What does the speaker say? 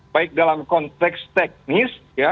baik dalam konteks teknis